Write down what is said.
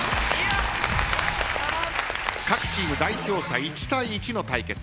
各チーム代表者１対１の対決。